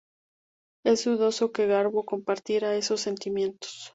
Es dudoso que Garbo compartiera esos sentimientos.